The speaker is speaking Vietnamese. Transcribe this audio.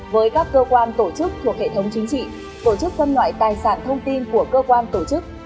với các cơ quan tổ chức thuộc hệ thống chính trị tổ chức phân loại tài sản thông tin của cơ quan tổ chức